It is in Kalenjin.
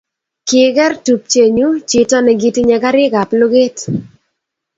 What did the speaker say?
Kiker tupchenyu chito nekitinyei karik ab lugeet